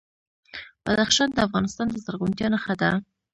بدخشان د افغانستان د زرغونتیا نښه ده.